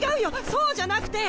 そうじゃなくて！